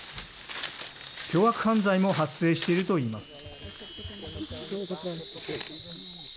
凶悪犯罪も発生しているといいます。